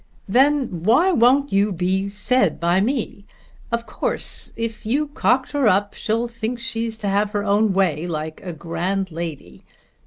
"Then why won't you be said by me? Of course if you cocker her up, she'll think she's to have her own way like a grand lady.